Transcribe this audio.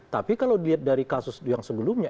tapi kalau dilihat dari kasus yang sebelumnya